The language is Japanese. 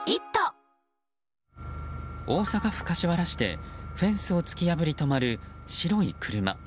大阪府柏原市でフェンスを突き破り止まる白い車。